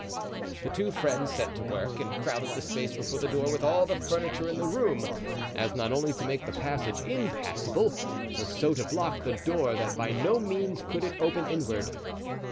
The two friends set to work and crowded the space before the door with all the furniture in the room, as not only to make the passage impassable, but so to block the door that by no means could it open inward.